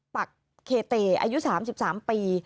ปักเคเตอายุ๓๓ปี